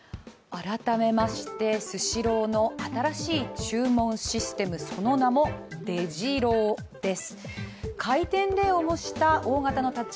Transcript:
改めまして、スシローの新しい注文システム、その名もデジローです。